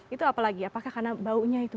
itu apa lagi apakah karena baunya itu